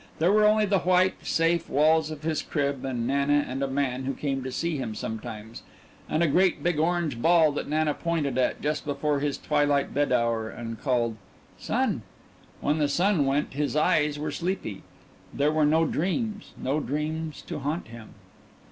There were only the white, safe walls of his crib and Nana and a man who came to see him sometimes, and a great big orange ball that Nana pointed at just before his twilight bed hour and called "sun." When the sun went his eyes were sleepy there were no dreams, no dreams to haunt him.